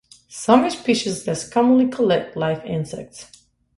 Some species less commonly collect live insects.